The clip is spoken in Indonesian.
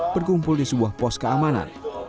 berkumpul di sebuah pos keamanan